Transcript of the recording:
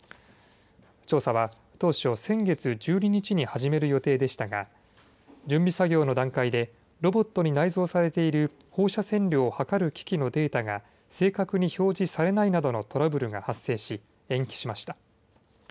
調査は当初、先月１２日に始める予定でしたが準備作業の段階でロボットに内蔵されている放射線量を測る機器のデータが正確に表示されないなどのトラブルが発生し延期しました。